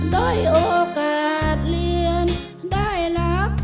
โดยโอกาสเรียนได้รักกับอาย